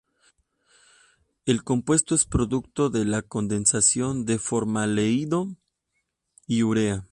El compuesto es producto de la condensación de formaldehído y urea.